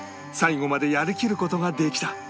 最後までやり切る事ができた